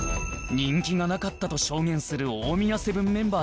人気がなかったと証言する大宮セブンメンバーたち